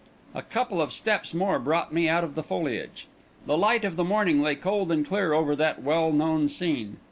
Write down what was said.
A couple of steps more brought me out of the foliage. The light of the morning lay cold and clear over that well known scene.